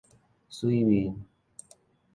媠面